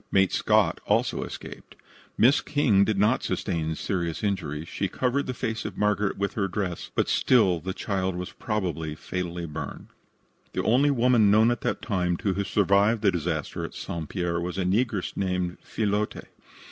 Mate Scott also escaped. Miss King did not sustain serious injuries. She covered the face of Margaret with her dress, but still the child was probably fatally burned. The only woman known at that time to have survived the disaster at St. Pierre was a negress named Fillotte.